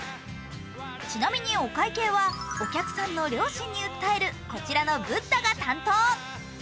ちなみにお会計はお客さんの良心に訴える、こちらのブッダが担当。